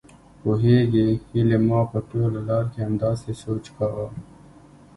پوهېږې هيلې ما په ټوله لار کې همداسې سوچ کاوه.